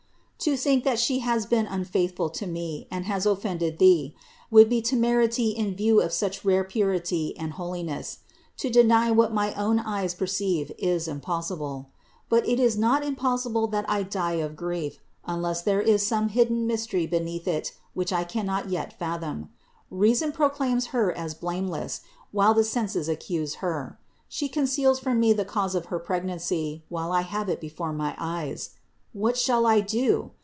To think that She has been unfaithful to me, and has offended Thee, would be temerity in view of such rare purity and holi ness : to deny what my own eyes perceive is impossible. But it is not impossible that I die of grief, unless there is some mystery hidden beneath it which I cannot yet THE INCARNATION 305 fathom. Reason proclaims Her as blameless, while the senses accuse Her. She conceals from me the cause of her pregnancy, while I have it before my eyes. What shall I do?